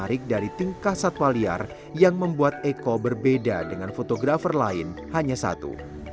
menarik dari tingkah satwa liar yang membuat eko berbeda dengan fotografer lain hanya satu